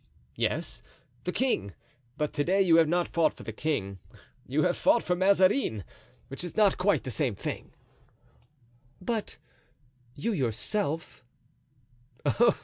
"Yes, the king; but to day you have not fought for the king, you have fought for Mazarin; which is not quite the same thing." "But you yourself?"